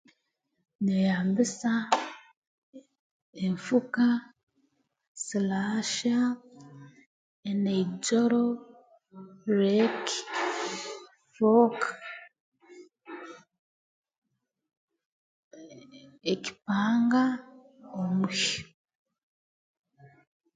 Nyeyambisa enfuka silaasha enaijoro reeki fook ee ekipanga omuhyo